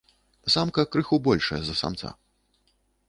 Самка крыху большая за самца.